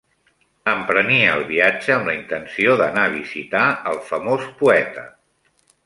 Emprenia el viatge amb la intenció d'anar a visitar al famós poeta